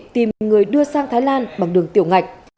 tìm người đưa sang thái lan bằng đường tiểu ngạch